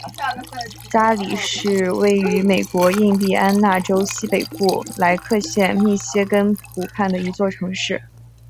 加里是位于美国印第安纳州西北部莱克县密歇根湖畔的一座城市。